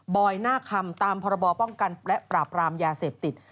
บอยหน้าคำตามพปประปรามยาเสพติด